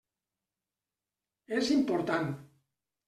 És important.